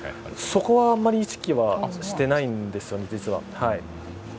そこはあんまり意識はしてないんですよね実は。